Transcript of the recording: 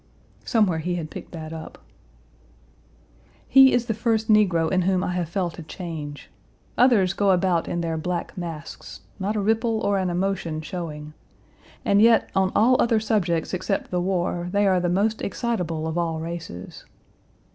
Somewhere he had picked that up. Page 225 He is the first negro in whom I have felt a change. Others go about in their black masks, not a ripple or an emotion showing, and yet on all other subjects except the war they are the most excitable of all races.